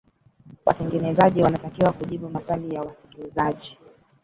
watengenezaji wanatakiwa kujibu maswali ya wasikilizaji